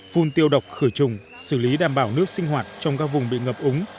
phun tiêu độc khử trùng xử lý đảm bảo nước sinh hoạt trong các vùng bị ngập úng